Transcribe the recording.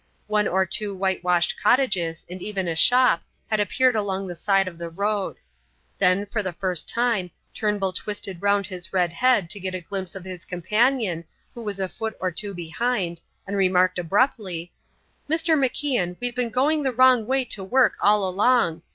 One or two whitewashed cottages and even a shop had appeared along the side of the road. Then, for the first time, Turnbull twisted round his red bear to get a glimpse of his companion, who was a foot or two behind, and remarked abruptly: "Mr. MacIan, we've been going the wrong way to work all along.